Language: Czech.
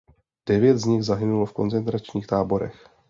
Devět z nich zahynulo v koncentračních táborech.